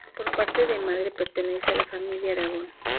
Por parte de madre pertenece a la Familia Aragón.